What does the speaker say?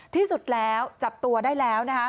ที่สุดแล้วจับตัวได้แล้วนะคะ